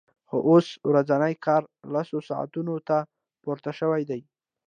خو اوس ورځنی کار لسو ساعتونو ته پورته شوی دی